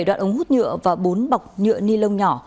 một đoạn ống hút nhựa và bốn bọc nhựa ni lông nhỏ